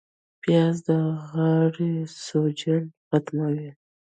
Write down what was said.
پیاز د غاړې سوجن ختموي